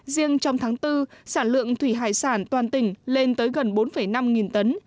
riêng trong tháng bốn sản lượng thủy hải sản toàn tỉnh lên tới gần bốn năm nghìn tấn